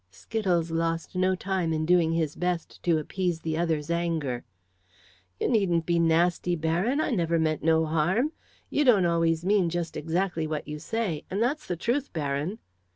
Skittles lost no time in doing his best to appease the other's anger. "You needn't be nasty, Baron. I never meant no harm. You don't always mean just exactly what you says and that's the truth, Baron."